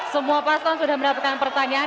semua paslon sudah mendapatkan pertanyaan